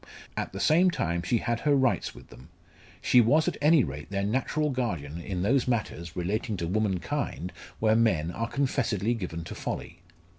At the same time she had her rights with them. She was at any rate their natural guardian in those matters, relating to womankind, where men are confessedly given to folly.